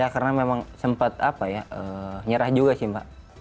ya karena memang sempat apa ya nyerah juga sih mbak